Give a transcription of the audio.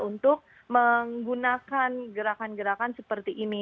untuk menggunakan gerakan gerakan seperti ini